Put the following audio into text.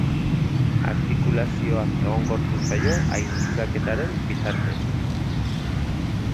Artikulazioa egonkortu zaio ainguraketaren bitartez.